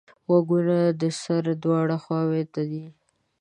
غوږونه د سر دواړو خواوو ته دي